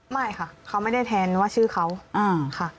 ไม่ค่ะเขาไม่ได้แทนว่าชื่อเขาค่ะ